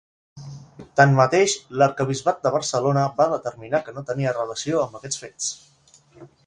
Tanmateix, l’arquebisbat de Barcelona va determinar que no tenia relació amb aquests fets.